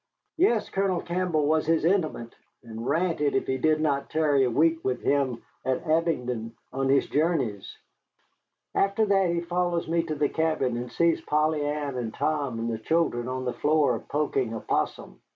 Yes, Colonel Campbell was his intimate, and ranted if he did not tarry a week with him at Abingdon on his journeys. After that he follows me to the cabin, and sees Polly Ann and Tom and the children on the floor poking a 'possum.